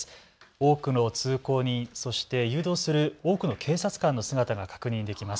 多くの通行人、そして誘導する多くの警察官の姿が確認できます。